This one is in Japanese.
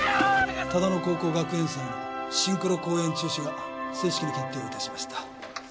唯野高校学園祭のシンクロ公演中止が正式に決定を致しました。